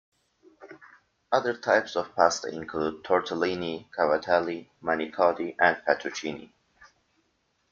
Other types of pasta include: tortellini, cavatelli, manicotti, and fettuccini.